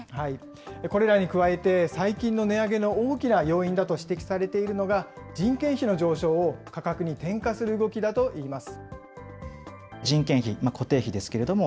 これらに加えて、最近の値上げの大きな要因だと指摘されているのが人件費の上昇を価格に転嫁する動きだといいます。